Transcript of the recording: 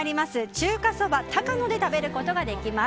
中華そば高野で食べることができます。